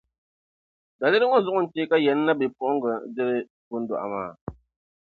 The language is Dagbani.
Daliri ŋɔ zuɣu n-chɛ ka Yani nabipuɣinsi n-diri Gundɔɣu maa.